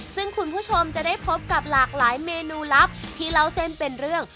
ซึ่งคุณผู้ชมจะได้พบกับหลากหลายเมนูลับที่เล่าเส้นเป็นเรื่อง